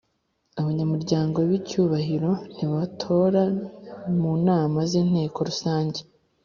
Abanyamuryango b’icyubairo ntibatora mu nama z’Inteko Rusange